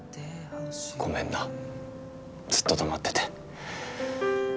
ごめんなずっと黙ってて。